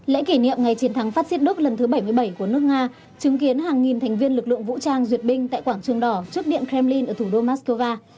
lễ kỷ niệm ngày chiến thắng fascist đức lần thứ bảy mươi bảy của nước nga chứng kiến hàng nghìn thành viên lực lượng vũ trang duyệt binh tại quảng trường đỏ trước điện kremlin ở thủ đô moscow